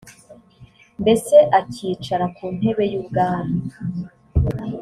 mbese acyicara ku ntebe y ubwami